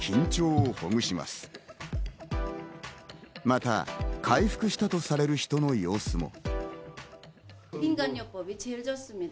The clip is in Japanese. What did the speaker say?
また回復したとされる人の様子も。